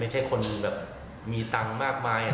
อยากให้เขาตื่นลื้อล้นมากกว่านี้ค่ะ